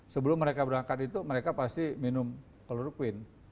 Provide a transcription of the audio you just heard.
sebelum mereka berangkat itu mereka pasti minum kloroquine